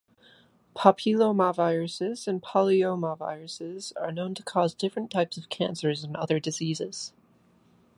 Papillomaviruses and polyomaviruses are known to cause different types of cancers and other diseases.